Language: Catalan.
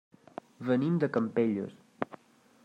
Venim de Campelles.